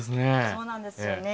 そうなんですよね。